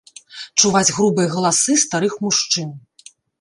Чуваць грубыя галасы старых мужчын.